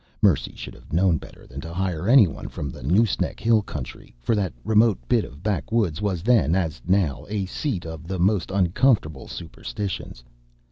Mercy should have known better than to hire anyone from the Nooseneck Hill country, for that remote bit of backwoods was then, as now, a seat of the most uncomfortable superstitions.